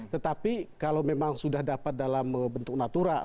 tetapi kalau memang sudah dapat dalam bentuk natural